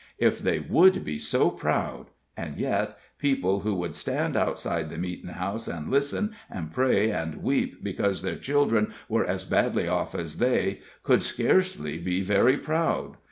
If they would be so proud and yet, people who would stand outside the meeting house and listen, and pray and weep because their children were as badly off as they, could scarcely be very proud.